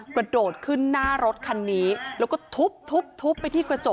กระโดดขึ้นหน้ารถคันนี้แล้วก็ทุบทุบไปที่กระจก